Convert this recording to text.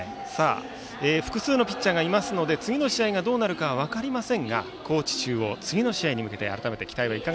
複数のピッチャーがいますので、次の試合がどうなるかは分かりませんが高知中央、次の試合に向けては。